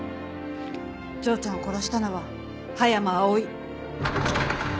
丈ちゃんを殺したのは葉山葵。